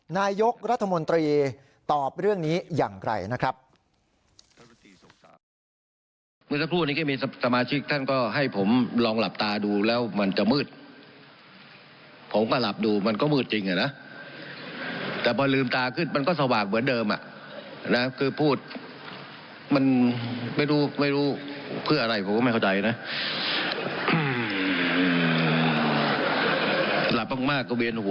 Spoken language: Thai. นายกรัฐมนตรีตอบเรื่องนี้อย่างไรนะครับ